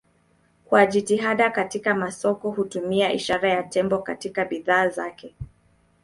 Kwa jitihada katika masoko hutumia ishara ya tembo katika bidhaa zake.